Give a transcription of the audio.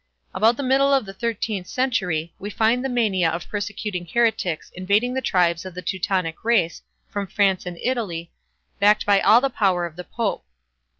About the middle of the thirteenth century, we find the mania for persecuting heretics invading the tribes of Teutonic race from France and Italy, backed by all the power of the Pope.